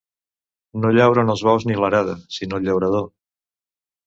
No llauren els bous ni l'arada, sinó el llaurador.